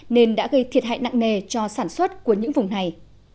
nên đã gây thiệt hại nặng nề cho sản xuất của những vùng này